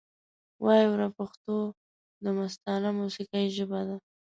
وایې وره پښتو دمستانه موسیقۍ ژبه ده